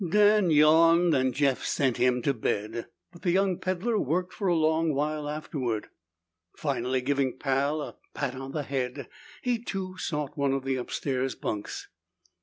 Dan yawned and Jeff sent him to bed, but the young peddler worked for a long while afterward. Finally, giving Pal a pat on the head, he too sought one of the upstairs bunks.